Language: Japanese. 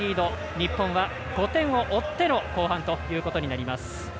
日本は５点を追っての後半ということになります。